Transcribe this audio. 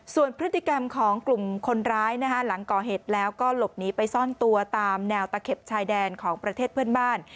ส่วนพฤติกรรมของกลุ่มคนร้ายหลังก่อเหตุแล้วก็หลบหนีไปซ่อนตัวตามแนวตะเข็บชายแดนของประเทศเพื่อนบ้าน